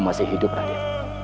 padahal aku bila